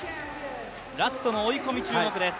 ラストの追い込みに注目です。